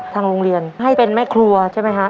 ทางโรงเรียนให้เป็นแม่ครัวใช่ไหมฮะ